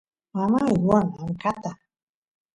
mamay ruwan amkata